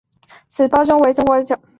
其胞兄为前中信鲸队外野手郭岱咏。